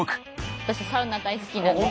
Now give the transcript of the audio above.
私サウナ大好きなんです。